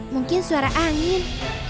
mungkin suara angin